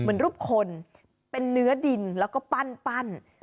เหมือนรูปคนเป็นเนื้อดินแล้วก็ปั้น